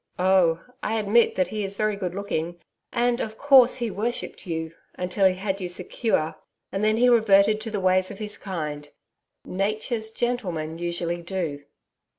Oh! I admit that he is very good looking, and, of course, he worshipped you until he had you secure, and then he reverted to the ways of his kind. "Nature's gentlemen" usually do....'